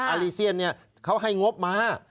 อาริเซียนเนี่ยเค้าให้งบมา